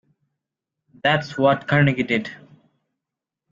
That's what Carnegie did.